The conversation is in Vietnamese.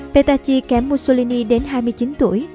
petacci kém mussolini đến hai mươi chín tuổi